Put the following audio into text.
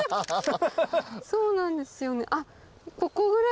そうなんですよね。